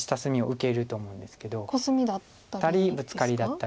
受けると思うんですけど。